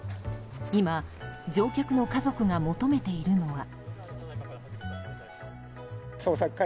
今、乗客の家族が求めているのは。